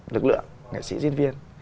lực lượng nghệ sĩ diễn viên